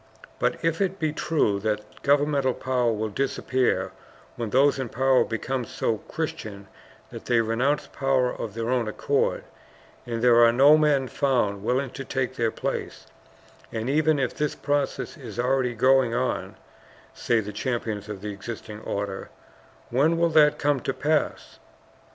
"But if it be true that governmental power will disappear when those in power become so Christian that they renounce power of their own accord, and there are no men found willing to take their place, and even if this process is already going on," say the champions of the existing order, "when will that come to pass?